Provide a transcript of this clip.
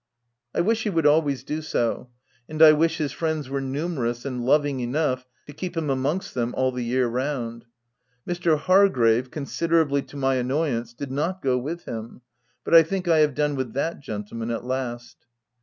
I wish he would always do so, and I wish his friends were numerous and loving enough to keep him amongst them all the year round. Mr. Hargrave, considerably to my annoyance, did not go with him ; but I think I have done with that gentleman at last.